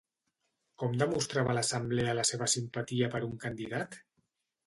Com demostrava l'Assemblea la seva simpatia per un candidat?